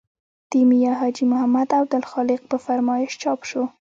د میا حاجي محمد او عبدالخالق په فرمایش چاپ شو.